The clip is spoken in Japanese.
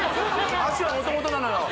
脚はもともとなのよ